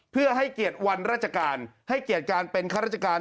เพื่อให้เกียรติวันราชการให้เกียรติการเป็นข้าราชการ